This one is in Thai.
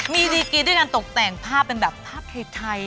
มีดีกรีด้วยการตกแต่งภาพเป็นแบบภาพไทย